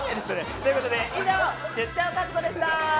ということで以上「出張和子」でした！